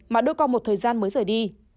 mà đôi con một thời gian mới rời đi